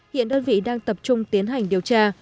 hiện đơn vị đang tập trung tiến hành điều tra